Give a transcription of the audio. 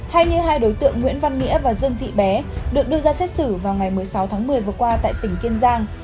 hay như hai đối tượng nguyễn văn nghĩa và dương thị bé được đưa ra xét xử vào ngày một mươi sáu tháng một mươi vừa qua tại tỉnh kiên giang